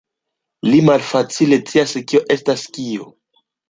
Li malfacile scias kio estas kio.